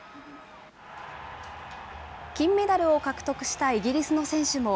金メダルを獲得したイギリスの選手も、